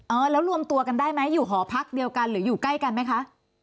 เออแล้วรวมตัวกันได้ไหมอยู่หอพักเดียวกันหรืออยู่ใกล้กันไหมคะ